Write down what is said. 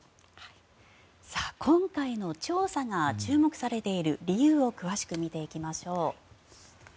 今回の調査が注目されている理由を詳しく見ていきましょう。